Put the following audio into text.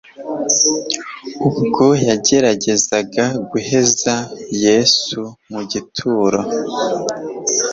Ubwo yageragezaga guheza Yesu mu gituro,